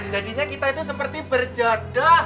jadinya kita itu seperti berjadah